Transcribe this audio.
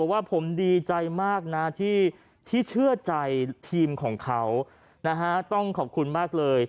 ว่าผมดีใจมากนะที่เชื่อใจทีมของเขานะฮะต้องขอบคุณมากเลย